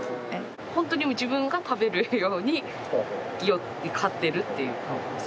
本当に自分が食べる用に買ってるっていう感覚ですはい。